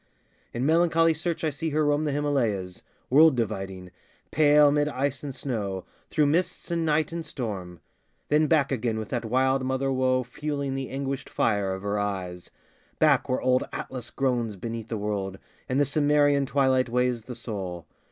In melancholy search I see her roam The Himalayas, world dividing, pale 'Mid ice and snow, through mists and night and storm; Then back again with that wild mother woe Fueling the anguished fire of her eyes, Back where old Atlas groans beneath the world, And the Cimmerian twilight weighs the soul.